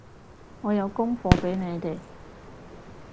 我有功課畀你哋